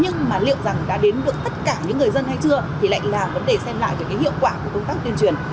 nhưng mà liệu rằng đã đến được tất cả những người dân hay chưa thì lại là vấn đề xem lại cái hiệu quả của công tác tuyên truyền